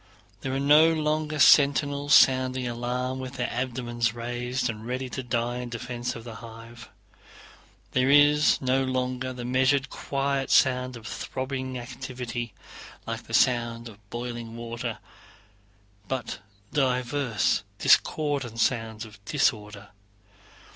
There are no longer sentinels sounding the alarm with their abdomens raised, and ready to die in defense of the hive. There is no longer the measured quiet sound of throbbing activity, like the sound of boiling water, but diverse discordant sounds of disorder.